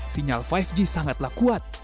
sinyal lima g sangatlah kuat